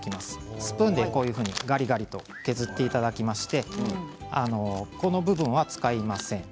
スプーンでがりがりと削っていただきましてこの部分は使いません。